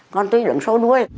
con tôi đừng xô nuôi